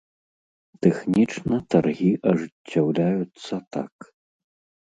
Тэхнічна таргі ажыццяўляюцца так.